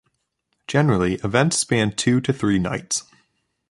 Generally, events span two to three nights.